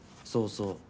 そうそう。